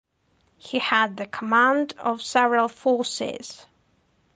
He had the command of several forces.